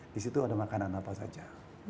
di situ ada makanan apa saja